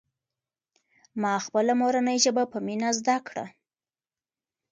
ما خپله مورنۍ ژبه په مینه زده کړه.